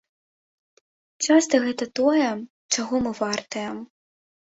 Часта гэта тое, чаго мы вартыя.